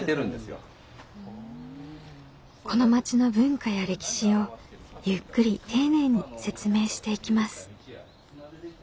この町の文化や歴史をゆっくり丁寧に説明していきます。